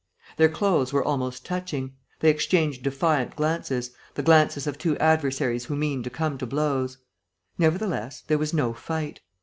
Their clothes were almost touching. They exchanged defiant glances, the glances of two adversaries who mean to come to blows. Nevertheless, there was no fight.